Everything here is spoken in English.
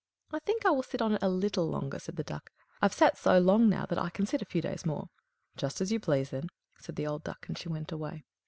"I think I will sit on it a little longer," said the Duck. "I've sat so long now that I can sit a few days more." "Just as you please," said the old Duck; and she went away.